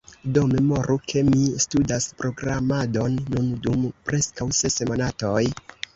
Do memoru, ke mi studas programadon nun dum preskaŭ ses monatoj.